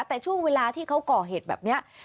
แต่ช่วงเวลาที่เขาก่อเหตุแบบนี้